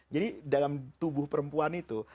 jadi dalam tubuh perempuan itu